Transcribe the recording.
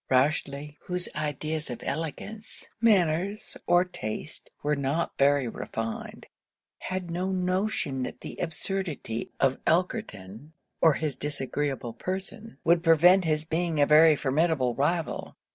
Rochely, whose ideas of elegance, manners, or taste, were not very refined, had no notion that the absurdity of Elkerton, or his disagreeable person, would prevent his being a very formidable rival.